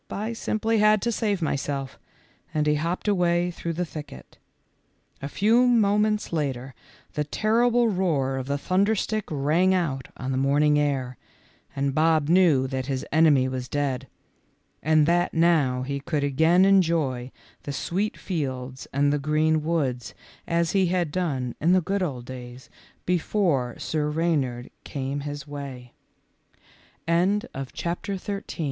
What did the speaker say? I simply had to save my self," and he hopped away through the thicket. A few moments later the terrible roar of the thunderstick rang out on the morning air, and Bob knew that his enemy was dead, and that now he could again enjoy the sweet fields and the green woods as he had done in the good old days before Sir Re